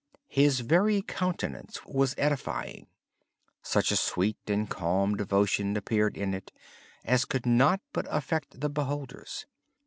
His very countenance was edifying with such a sweet and calm devotion appearing that he could not but affect the beholders.